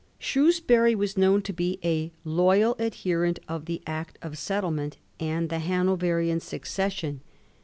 Shrews* bury was known to be a loyal adherent of the Act of Settiement and the Hanoverian Succession.